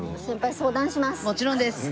もちろんです！